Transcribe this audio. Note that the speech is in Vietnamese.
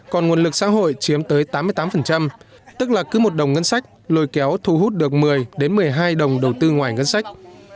còn nguồn lực xã hội chiếm tới tám mươi tám tức là cứ một đồng ngân sách lôi kéo thu hút được một mươi một mươi hai đồng đầu tư ngoài ngân sách